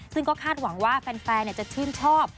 ซึ่งก็คาดหวังว่าแฟนจะชื่นชอบ